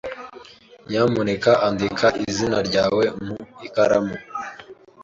Nyamuneka andika izina ryawe mu ikaramu.